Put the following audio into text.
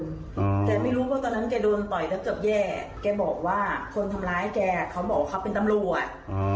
อืมแต่ไม่รู้เพราะตอนนั้นแกโดนต่อยแล้วเกือบแย่แกบอกว่าคนทำร้ายแกเขาบอกว่าเขาเป็นตำรวจ